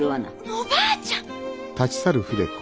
おばあちゃん！